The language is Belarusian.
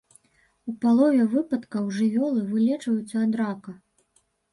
У палове выпадкаў жывёлы вылечваюцца ад рака.